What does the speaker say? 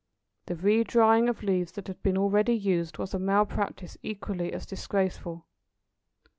The re drying of leaves that had been already used was a malpractice equally as disgraceful.